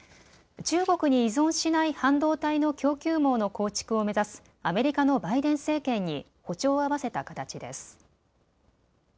中国に依存しない半導体の供給網の構築を目指すアメリカのバイデン政権に歩調を合わせた形です。